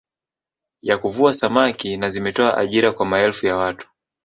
Ya kuvua saamki na zimetoa ajira kwa maelfu ya watu